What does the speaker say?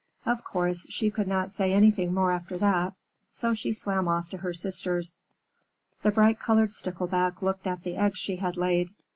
Of course she could not say anything more after that, so she swam off to her sisters. The bright colored Stickleback looked at the eggs she had laid.